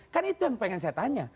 kan itu yang pengen saya tanya